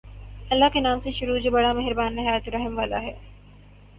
اللہ کے نام سے شروع جو بڑا مہربان نہایت رحم والا ہے